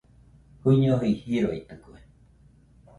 Juñoiji joroitɨkue.